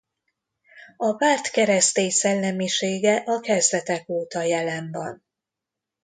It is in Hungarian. A párt keresztény szellemisége a kezdetek óta jelen van.